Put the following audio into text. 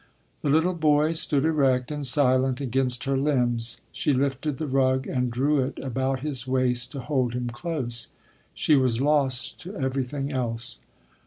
The little boy stood erect and silent against her limbs. She lifted the rug and drew it about his waist to hold him close. She was lost to everything else.